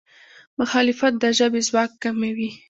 مخالفت د ژبې ځواک کموي.